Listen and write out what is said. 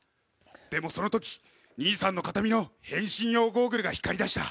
「でもその時兄さんの形見の変身用ゴーグルが光りだした」